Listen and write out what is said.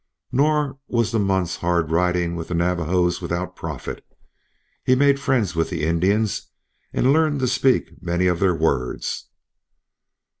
Nor was the month's hard riding with the Navajos without profit. He made friends with the Indians, and learned to speak many of their words.